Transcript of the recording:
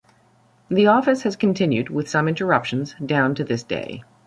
The office has continued, with some interruptions, down to this day.